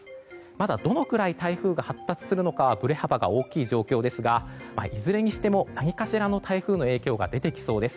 まだどのくらい台風が発達するのかは振れ幅が大きい状況ですがいずれにしても何かしらの台風の影響が出てきそうです。